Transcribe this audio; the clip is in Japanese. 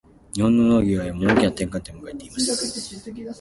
日本の農業は今、大きな転換点を迎えています。